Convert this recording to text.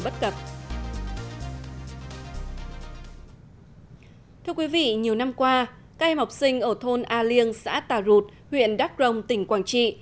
thưa quý vị nhiều năm qua các em học sinh ở thôn a liêng xã tà rụt huyện đắk rồng tỉnh quảng trị